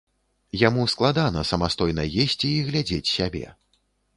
Яму складана самастойна есці і глядзець сябе.